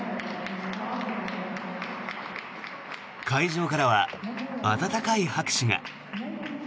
会場からは温かい拍手が。